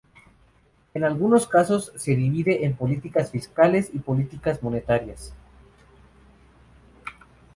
En algunos casos se divide en políticas fiscales y políticas monetarias.